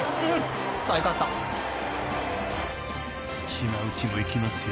［島内もいきますよ］